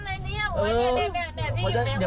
น้ำไหนเนี่ยแดดที่อยู่ในห้วงเนี่ย